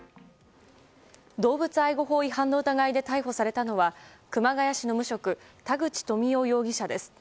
動物愛護法違反の疑いで逮捕されたのは熊谷市の無職田口富夫容疑者です。